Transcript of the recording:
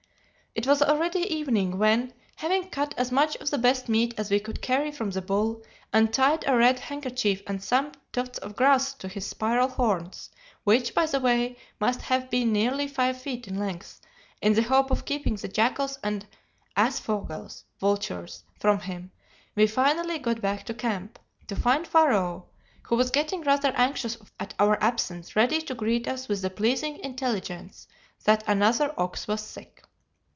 "It was already evening when, having cut as much of the best meat as we could carry from the bull, and tied a red handkerchief and some tufts of grass to his spiral horns, which, by the way, must have been nearly five feet in length, in the hope of keeping the jackals and aasvögels (vultures) from him, we finally got back to camp, to find Pharaoh, who was getting rather anxious at our absence, ready to greet us with the pleasing intelligence that another ox was sick.